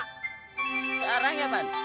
sekarang ya pan